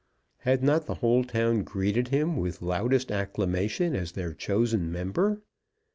Had not the whole town greeted him with loudest acclamation as their chosen member?